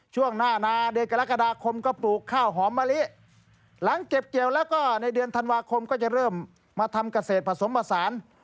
ช่วงหน้านาเดือนกรกฎาคมก็ปลูกข้าวหอมมะลิหลังเก็บเกี่ยวแล้วก็ในเดือนธันวาคมก็จะเริ่มมาทำเกษตรผสมผสาน